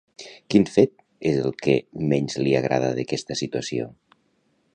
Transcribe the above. Quin fet és el que menys li agrada d'aquesta situació?